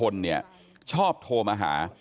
พี่สาวของผู้ตายอายุ๗๒ปี